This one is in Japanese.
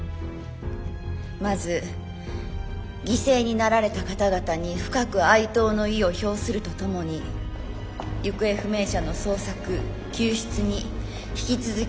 まず犠牲になられた方々に深く哀悼の意を表するとともに行方不明者の捜索救出に引き続き全力を尽くしてまいります。